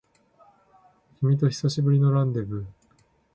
君と久しぶりのランデブー